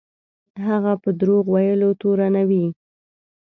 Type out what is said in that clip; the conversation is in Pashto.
هغه په دروغ ویلو تورنوي.